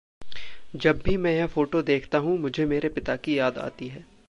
जब भी में यह फोटो देखता हूँ, मुझे मेरे पिता की याद आती है।